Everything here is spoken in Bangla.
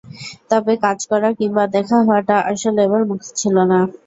তবে কাজ করা কিংবা দেখা হওয়াটা আসলে এবার মুখ্য ছিল না।